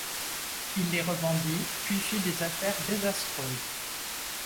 Il les revendit, puis fit des affaires désastreuses.